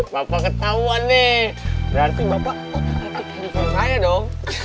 bapak ketawa nih berarti bapak otot handphone saya dong